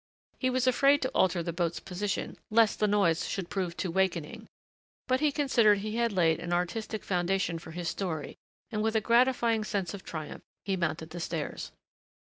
He was afraid to alter the boat's position lest the noise should prove too wakening, but he considered he had laid an artistic foundation for his story and with a gratifying sense of triumph he mounted the stairs.